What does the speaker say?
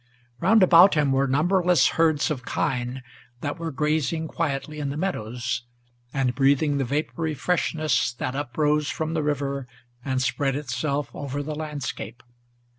Round about him were numberless herds of kine, that were grazing Quietly in the meadows, and breathing the vapory freshness That uprose from the river, and spread itself over the landscape.